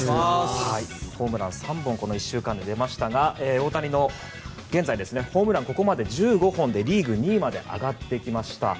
ホームラン３本がこの１週間で出ましたが大谷は、現在ホームランここまで１５本でリーグ２位まで上がってきました。